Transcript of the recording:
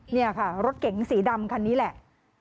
นี่ค่ะรถเก๋งสีดำคันนี้แหละ